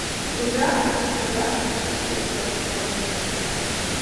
Тут раз, удар, і свет патух у вагончыку.